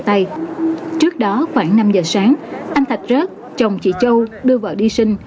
trước đó khoảng năm giờ sáng anh thạch rớt chồng chị châu đưa vợ đi sinh